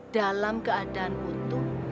dalam keadaan putuh